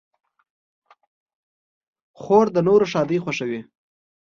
خور د نورو ښادۍ خوښوي.